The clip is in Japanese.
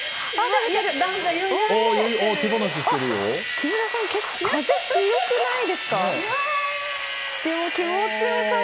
木村さん結構風強くないですか？